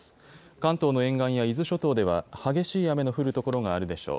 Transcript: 関東の沿岸や伊豆諸島では、激しい雨の降る所があるでしょう。